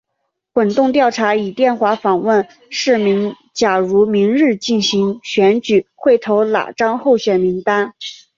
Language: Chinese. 滚动调查以电话访问市民假如明日进行选举会投哪张候选名单。